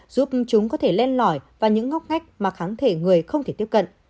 giúp chúng có thể lên lõi vào những ngóc ngách mà kháng thể người không thể tiếp cận